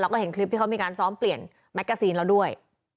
แล้วก็เห็นคลิปที่เขามีการซ้อมเปลี่ยนแมกกาซีนแล้วด้วย